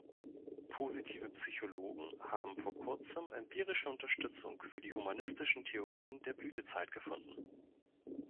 „Positive“ Psychologen haben vor Kurzem empirische Unterstützung für die humanistischen Theorien der Blütezeit gefunden.